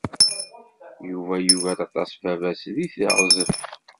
Yuba yugar aṭas baba-s deg teɣzef.